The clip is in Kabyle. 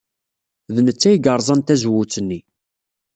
D netta ay yerẓan tazewwut-nni.